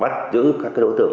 bắt giữ các đối tượng